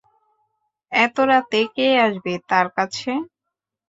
এত রাতে কে আসবে তাঁর কাছে!